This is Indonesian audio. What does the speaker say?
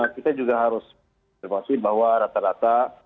kita juga harus informasi bahwa rata rata